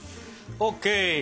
ＯＫ！